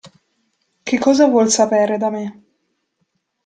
Che cosa vuol sapere da me?